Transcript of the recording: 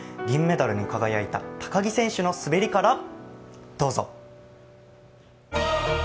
銀メダルに輝いた高木選手の滑りからどうぞ。